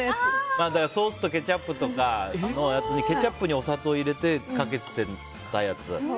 ソースとケチャップとかのやつにケチャップにお砂糖入れてかけてたやつ。